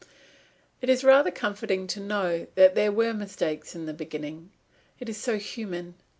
It is rather comforting to know that there were mistakes in the beginning. It is so human.